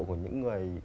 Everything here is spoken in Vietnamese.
của những người